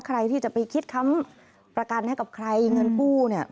ใครที่จะไปคิดค้ำประกันให้กับใครเงินกู้เนี่ย